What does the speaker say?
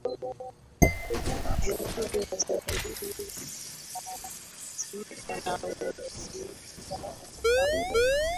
Viongozi wa serikali na wanaharakati wanaohudhuria mkutano wa